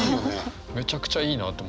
めちゃくちゃいいなと。